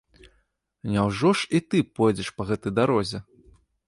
Няўжо ж і ты пойдзеш па гэтай дарозе?